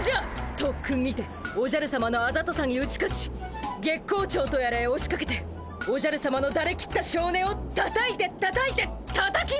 とっくんにておじゃるさまのあざとさに打ち勝ち月光町とやらへおしかけておじゃるさまのだれきったしょうねをたたいてたたいてたたき直すのじゃ！